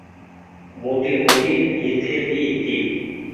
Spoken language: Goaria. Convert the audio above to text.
موٽي موٽي ڀيتي ڀي ڇي ۔